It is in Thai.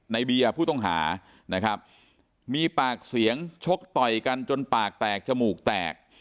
เบียร์ผู้ต้องหานะครับมีปากเสียงชกต่อยกันจนปากแตกจมูกแตก